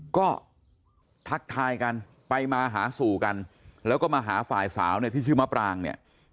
ก็ทักทายกันไปมาหาสู่กันแล้วก็มาหาฝ่ายสาวเนี่ยที่ชื่อมะปรางเนี่ย